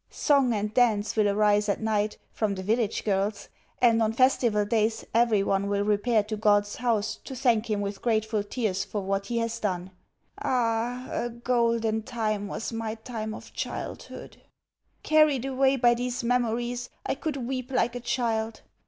Song and dance will arise at night from the village girls, and on festival days everyone will repair to God's house to thank Him with grateful tears for what He has done.... Ah, a golden time was my time of childhood!... Carried away by these memories, I could weep like a child.